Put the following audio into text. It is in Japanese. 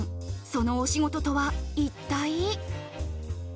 そのお仕事とは一体。